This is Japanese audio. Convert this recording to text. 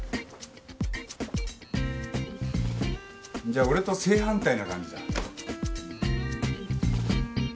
じゃあ俺と正反対な感じだ。